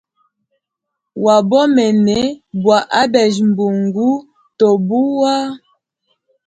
Wabomene bwa abeja mbungu to buwa.